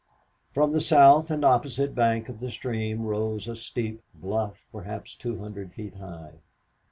From the south and opposite bank of the stream rose a steep bluff perhaps two hundred feet high.